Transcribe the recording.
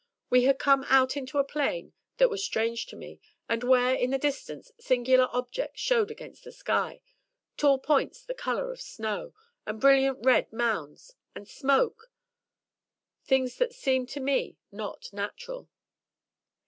We had come out into a plain that was strange to me, and where, in the distance, singular objects showed against the sky — tall points the colour of snow, and brilliant red mounds, and smoke — things that seemed to me not natural!